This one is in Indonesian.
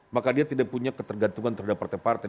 maka dia tidak punya ketergantungan terhadap partai partai